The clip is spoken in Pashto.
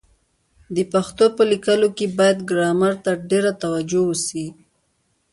د پښتو په لیکلو کي بايد ګرامر ته ډېره توجه وسي.